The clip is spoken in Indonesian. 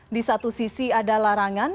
di satu sisi ada larangan